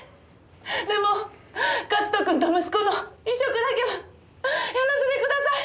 でも克斗君と息子の移植だけはやらせてください！